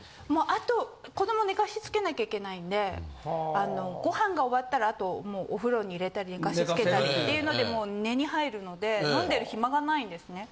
あと子ども寝かしつけなきゃいけないんでご飯が終わったらあとお風呂に入れたり寝かしつけたりっていうのでもう寝に入るので飲んでる暇がないんですね。